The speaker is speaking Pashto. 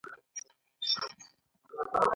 دریم اصل د اهدافو پوره کولو منابع دي.